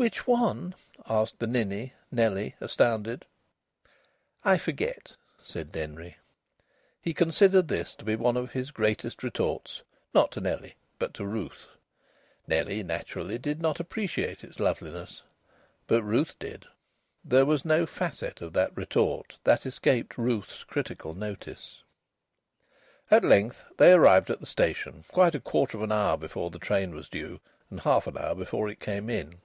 "Which one?" asked the ninny, Nellie, astounded. "I forget," said Denry. He considered this to be one of his greatest retorts not to Nellie, but to Ruth. Nellie naturally did not appreciate its loveliness. But Ruth did. There was no facet of that retort that escaped Ruth's critical notice. At length they arrived at the station, quite a quarter of an hour before the train was due, and half an hour before it came in.